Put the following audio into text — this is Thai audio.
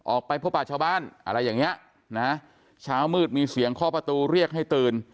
ออกไปพบป่าชาวบ้านอะไรอย่างเงี้ยนะเช้ามืดมีเสียงเคาะประตูเรียกให้ตื่น